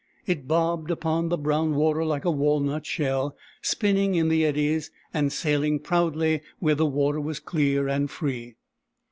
It bobbed upon the brown water like a walnut shell, spinning in the eddies, and sailing proudly where the water was clear and free.